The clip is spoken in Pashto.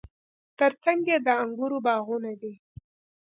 ترڅنګ یې د انګورو باغونه دي.